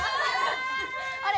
あれ？